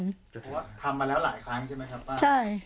เพราะว่าทำมาแล้วหลายครั้งใช่ไหมครับป้า